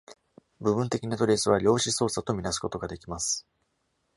部分的なトレースは、量子操作と見なすことができます。